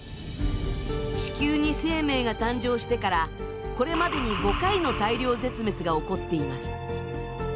地球に生命が誕生してからこれまでに５回の大量絶滅が起こっています。